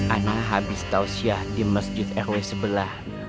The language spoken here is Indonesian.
anak habis tausiyah di masjid rw sebelah